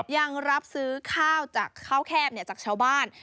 ยังรับซื้อข้าวแคบจากชาวบ้าน